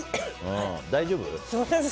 大丈夫？